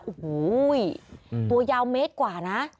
โอ้โหตัวยาวเมตรกว่านะ